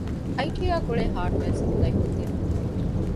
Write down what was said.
އައިޓީއާ ގުޅޭ ހާޑްވެއަރ ސަޕްލައިކޮށްދިނުން